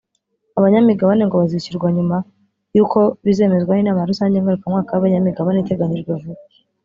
Abanyamigabane ngo bazishyurwa nyuma y’uko bizemezwa n’inama rusange ngarukamwaka y’abanyamigabane iteganyijwe vuba